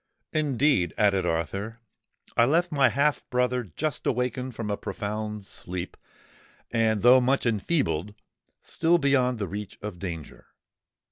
"Indeed," added Arthur, "I left my half brother just awakened from a profound sleep, and, though much enfeebled, still beyond the reach of danger.